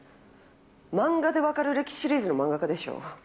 漫画でわかる歴史シリーズの漫画家でしょ？